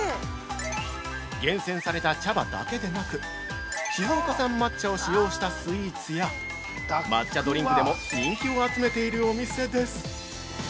厳選された茶葉だけでなく、静岡産抹茶を使用したスイーツや抹茶ドリンクでも人気を集めているお店です。